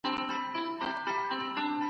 که کتاب لوستل کېږي نو پوهه نه کمېږي.